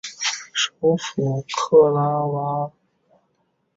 首府克拉约瓦。